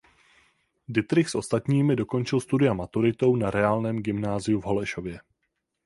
Dittrich s ostatními dokončil studia maturitou na reálném gymnáziu v Holešově.